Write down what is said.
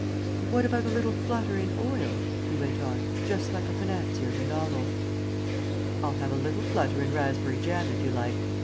"What about a little flutter in oil?" he went on, just like a financier in a novel. "I'll have a little flutter in raspberry jam if you like.